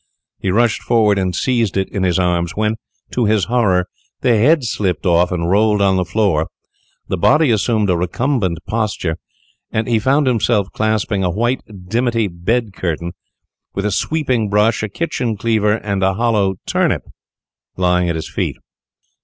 He rushed forward and seized it in his arms, when, to his horror, the head slipped off and rolled on the floor, the body assumed a recumbent posture, and he found himself clasping a white dimity bed curtain, with a sweeping brush, a kitchen cleaver, and a hollow turnip lying at his feet!